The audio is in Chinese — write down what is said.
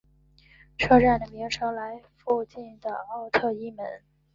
车站的名称来附近的奥特伊门。